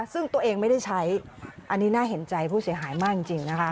ซึ่งตัวเองไม่ได้ใช้อันนี้น่าเห็นใจผู้เสียหายมากจริงนะคะ